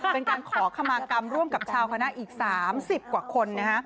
เป็นการขอขมากรรมร่วมกับชาวคณะอีก๓๐กว่าคนนะฮะ